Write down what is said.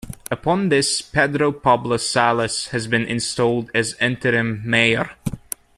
Upon this, Pedro Pablo Salas has been installed as interim mayor.